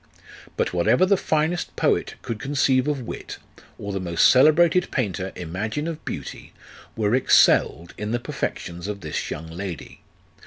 But whatever the finest poet could con ceive of wit, or the most celebrated painter imagine of beauty, were excelled in the perfections of this young lady.